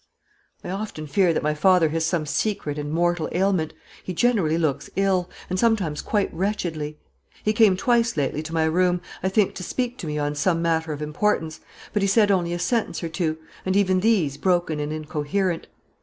"I often fear that my father has some secret and mortal ailment. He generally looks ill, and sometimes quite wretchedly. He came twice lately to my room, I think to speak to me on some matter of importance; but he said only a sentence or two, and even these broken and incoherent.